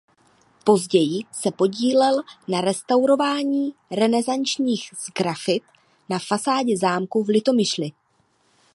Později se podílel na restaurování renesančních sgrafit na fasádě zámku v Litomyšli.